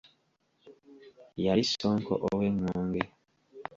Yali Ssonko ow’engonge.